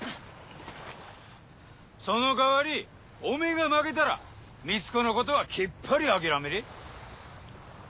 その代わりおめえが負けたらみち子のことはきっぱり諦めれ。